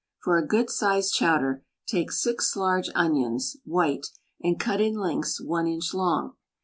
For a good sized chowder take six large onions (white) , and cut in lengths one inch long.